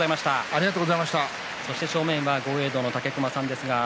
正面は豪栄道の武隈さんです。